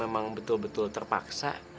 memang betul betul terpaksa